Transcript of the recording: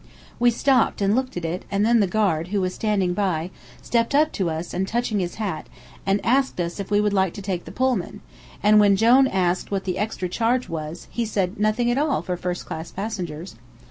We stopped and looked at it, and then the guard, who was standing by, stepped up to us and touched his hat, and asked us if we would like to take the Pullman, and when Jone asked what the extra charge was, he said nothing at all for first class passengers.